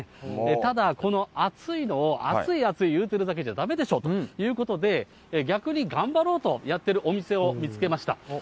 ただ、この暑いのを、暑い暑い言うてるだけじゃだめでしょということで、逆に頑張ろうとやってるお店を見つけました。